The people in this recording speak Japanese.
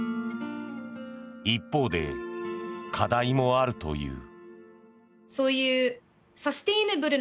一方で課題もあるという。